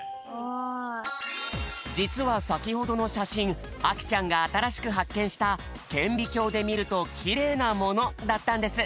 じつはさきほどの写真あきちゃんがあたらしく発見した顕微鏡で見るとキレイなものだったんです。